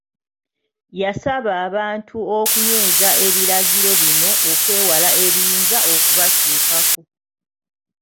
Yasaba abantu okunyweza ebiragiro bino okwewala ebiyinza okubatuukako.